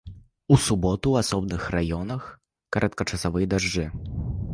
У суботу ў асобных раёнах кароткачасовыя дажджы.